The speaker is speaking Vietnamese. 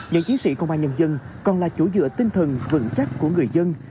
những chiến sĩ công an nhân dân còn là chỗ dựa tinh thần vững chắc của người dân